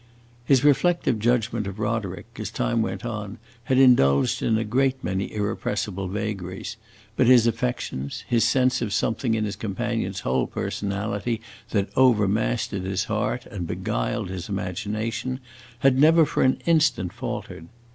His reflective judgment of Roderick, as time went on, had indulged in a great many irrepressible vagaries; but his affection, his sense of something in his companion's whole personality that overmastered his heart and beguiled his imagination, had never for an instant faltered.